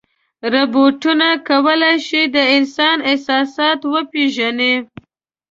روبوټونه کولی شي د انسان احساسات وپېژني.